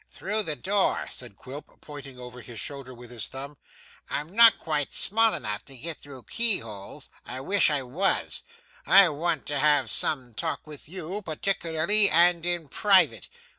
'Through the door,' said Quilp pointing over his shoulder with his thumb. 'I'm not quite small enough to get through key holes. I wish I was. I want to have some talk with you, particularly, and in private.